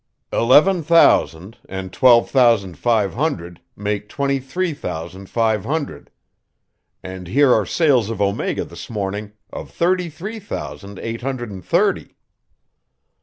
"Eleven thousand and twelve thousand five hundred make twenty three thousand five hundred; and here are sales of Omega this morning of thirty three thousand eight hundred and thirty."